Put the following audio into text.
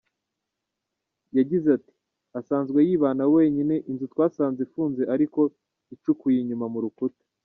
Yagize ati “Asanzwe yibana wenyine, inzu twasanze ifunze ariko icukuye inyuma mu rukuta.